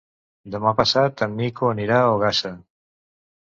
Demà passat en Nico anirà a Ogassa.